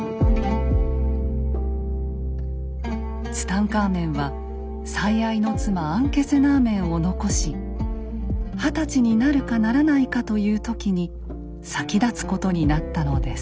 ツタンカーメンは最愛の妻アンケセナーメンを残し二十歳になるかならないかという時に先立つことになったのです。